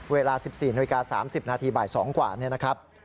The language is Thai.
เวลา๑๔น๓๐นาทีบ๒กว่านะครับ